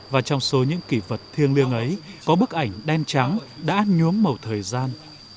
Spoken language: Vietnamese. và trong số những kỷ vật thiêng liêng ấy có bức ảnh đen trắng đã nhuốm màu thời gian